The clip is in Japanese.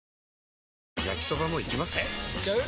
えいっちゃう？